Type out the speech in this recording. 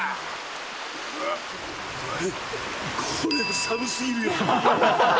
これ、寒すぎるよ。